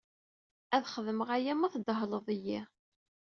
Ad xedmeɣ aya ma tdehleḍ-iyi.